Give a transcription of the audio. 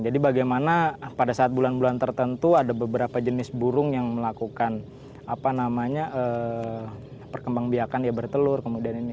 jadi bagaimana pada saat bulan bulan tertentu ada beberapa jenis burung yang melakukan apa namanya perkembang biakan ya bertelur kemudian ini